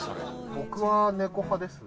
僕は猫派ですね。